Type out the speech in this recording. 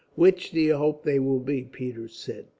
"Which do you hope they will be?" Peters said.